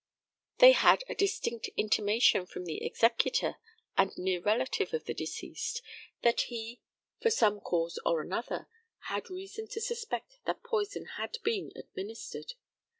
They had a distinct intimation from the executor and near relative of the deceased, that he, for some cause or another, had reason to suspect that poison had been administered.